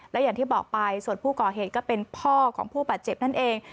และอย่างที่บอกไปส่วนผู้ก่อเหตุก็เป็นพ่อของผู้บาดเจ็บนั่นเอง